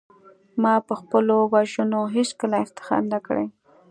ما په خپلو وژنو هېڅکله افتخار نه دی کړی